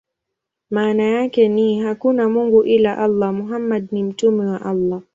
Maana yake ni: "Hakuna mungu ila Allah; Muhammad ni mtume wa Allah".